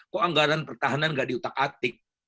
kok anggaran pertahanan nggak diutak atik